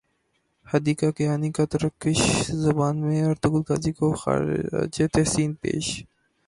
حدیقہ کیانی کا ترکش زبان میں ارطغرل غازی کو خراج تحسین پیش